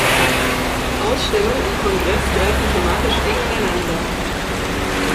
Ausstellung und Kongress greifen thematisch eng ineinander.